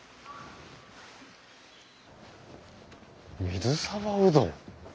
水沢うどん？